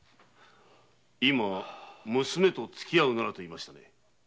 今「娘とつきあうなら」と言いましたが。